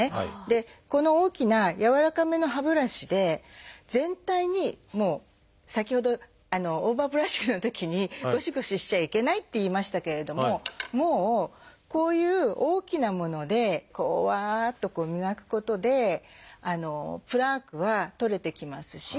この大きなやわらかめの歯ブラシで全体に先ほどオーバーブラッシングのときにゴシゴシしちゃいけないって言いましたけれどもこういう大きなものでわっと磨くことでプラークは取れてきますし。